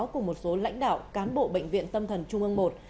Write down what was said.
của một số lãnh đạo cán bộ bệnh viện tâm thần trung ương i